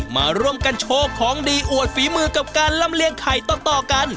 มาร่วมกันโชว์ของดีอวดฝีมือกับการลำเลียงไข่ต่อกัน